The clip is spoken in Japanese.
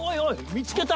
見つけた！